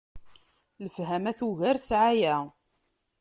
Lefhama tugar ssɛaya.